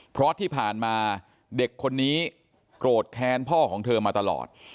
เพราะที่ผ่านมาเด็กคนนี้โกรธแค้นพ่อของเธอมาตลอด